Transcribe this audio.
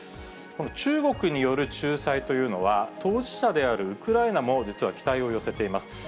この中国による仲裁というのは、当事者であるウクライナも実は期待を寄せています。